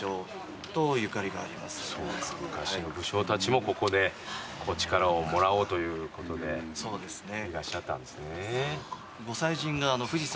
昔の武将たちもここで力をもらおうということでいらっしゃったんですね。